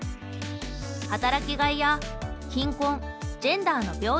働きがいや貧困ジェンダーの平等まで。